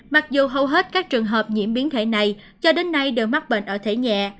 mặc dù hầu hết các trường hợp nhiễm biến thể này cho đến nay đều mắc bệnh ở thể nhẹ